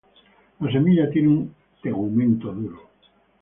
La semilla tiene un tegumento duro.